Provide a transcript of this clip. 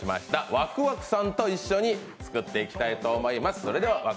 わくわくさんと一緒に作っていきたいと思います。